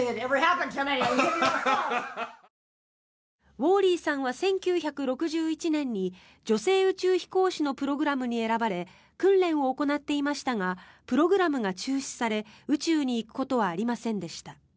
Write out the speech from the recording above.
ウォーリーさんは１９６１年に女性宇宙飛行士のプログラムに選ばれ訓練を行っていましたがプログラムが中止され宇宙に行くことはありませんでした。